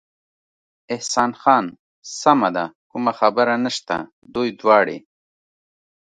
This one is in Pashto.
احسان خان: سمه ده، کومه خبره نشته، دوی دواړې.